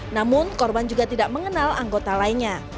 namun korban juga tidak mengenal anggota lainnya